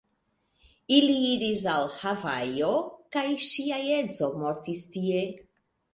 Ili iris al Havajo kaj ŝia edzo mortis tie.